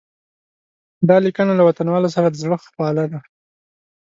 دا لیکنه له وطنوالو سره د زړه خواله ده.